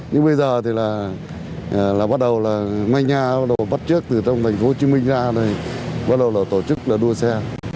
nhưng bây giờ thì là bắt đầu là mai nha bắt trước từ trong thành phố hồ chí minh ra bắt đầu là tổ chức đua xe